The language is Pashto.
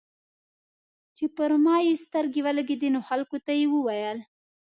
چې پر ما يې سترګې ولګېدې نو خلکو ته یې وويل.